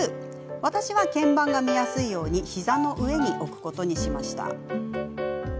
私は鍵盤が見やすいように膝の上に置くことにしました。